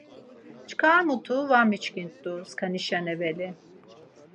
Çkar mutu var miçkit̆u, skanişen eveli.